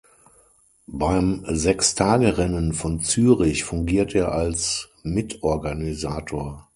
Beim Sechstagerennen von Zürich fungiert er als Mitorganisator.